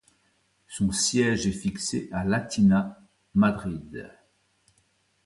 Son siège est fixé à Latina, Madrid.